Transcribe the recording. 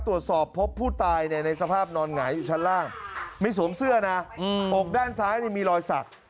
ตรวจสอบพบผู้ตายในสภาพนอนหงายอยู่ชั้นล่างไม่สวมเสื้อนะอกด้านซ้ายมีรอยสัก